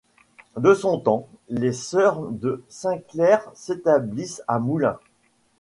De son temps, les sœurs de Sainte-Claire s'établissent à Moulins.